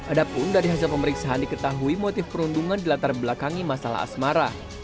adapun dari hasil pemeriksaan diketahui motif perundungan dilatar belakangi masalah asmara